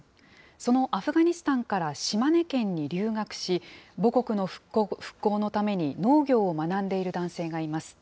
そのアフガニスタンから島根県に留学し、母国の復興のために農業を学んでいる男性がいます。